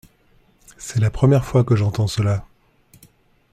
C’est la première fois que j’entends cela.